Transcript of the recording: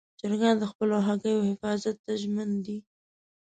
چرګان د خپلو هګیو حفاظت ته ژمن دي.